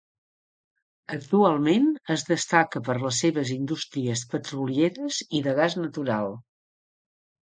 Actualment es destaca per les seves indústries petrolieres i de gas natural.